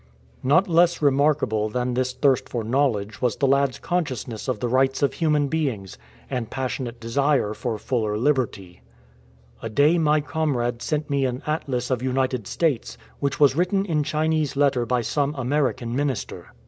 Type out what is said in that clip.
" Not less remarkable than this thirst for knowledge was the lad's consciousness of the rights of human beings, and passionate desire for fuller liberty :" A day my comrade sent me a Atlas of United States, which was written in Chinese letter by some American minister.